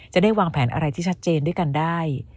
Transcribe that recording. จะได้วางแผนอะไรที่ชัดเจนด้วยกันได้